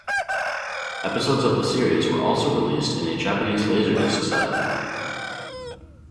Episodes of the series were also released in a Japanese laserdisc set.